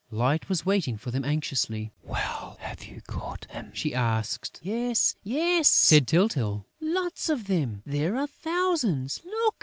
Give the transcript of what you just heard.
Light was waiting for them anxiously: "Well, have you caught him?" she asked. "Yes, yes!" said Tyltyl. "Lots of them! There are thousands! Look!"